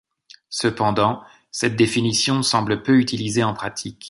Cependant, cette définition semble peu utilisée en pratique.